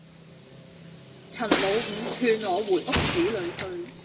陳老五勸我回屋子裏去。